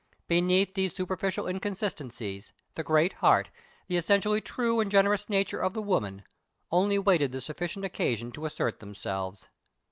Beneath these superficial inconsistencies, the great heart, the essentially true and generous nature of the woman, only waited the sufficient occasion to assert themselves.